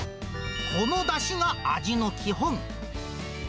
このだしが味の基本。